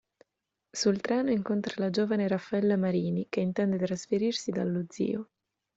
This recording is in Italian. Sul treno incontra la giovane Raffaella Marini, che intende trasferirsi dallo zio.